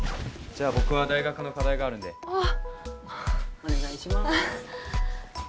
じゃあ僕は大学の課題があるんであっお願いしまーす